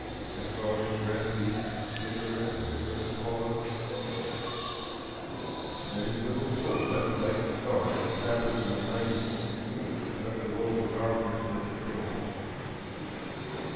I saw his breath beat quicker and quicker, pause, and then his little soul leapt like a star that travels in the night and left a world of darkness in its train.